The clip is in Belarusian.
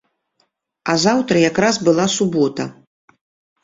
А заўтра як раз была субота.